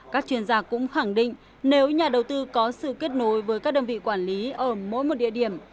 các chuyên gia cũng khẳng định nếu nhà đầu tư có sự kết nối với các đơn vị quản lý ở mỗi một địa điểm